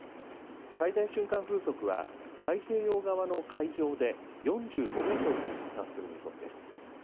最大瞬間風速は、太平洋側の海上で４５メートルに達する見込みです。